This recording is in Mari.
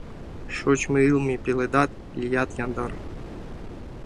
Шочмо йылме, пеледат, лият яндар.